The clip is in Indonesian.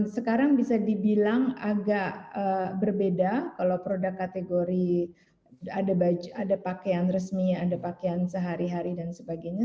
sekarang bisa dibilang agak berbeda kalau produk kategori ada pakaian resminya ada pakaian sehari hari dan sebagainya